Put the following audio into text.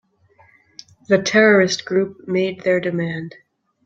The terrorist group made their demand.